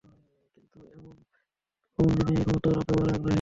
কিন্তু এমন একজনের কথা ভাবুন, যিনি এই ক্ষমতা ব্যবহারে আগ্রহী।